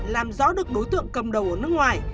làm rõ được đối tượng cầm đầu ở nước ngoài